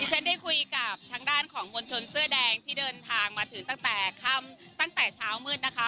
ฉันได้คุยกับทางด้านของมวลชนเสื้อแดงที่เดินทางมาถึงตั้งแต่ค่ำตั้งแต่เช้ามืดนะคะ